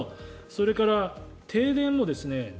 それから、停電も１２％。